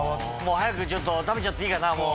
早く食べちゃっていいかなもう。